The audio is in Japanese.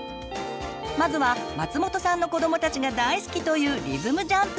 まずは松本さんの子どもたちが大好きというリズムジャンプ。